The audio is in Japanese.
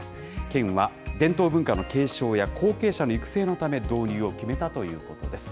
県は伝統文化の継承や後継者の育成のため導入を決めたということです。